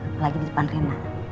apalagi di depan rena